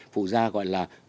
phụ da gọi là